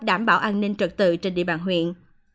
đảm bảo an ninh trật tự trên địa bàn huyện